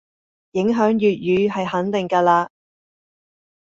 影響粵語係肯定嘅嘞